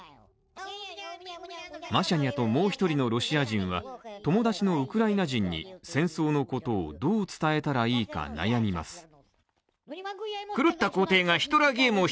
マシャニャともう一人のロシア人は、友達のウクライナ人に戦争のことをどう伝えたらいいか悩みます。